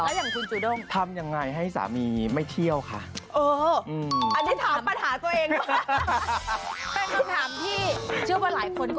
แล้วอย่างคุณจูด้ม